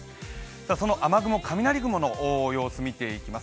その雨雲、雷雲の様子を見ていきます。